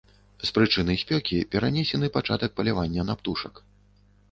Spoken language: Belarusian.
З прычыны спёкі перанесены пачатак палявання на птушак.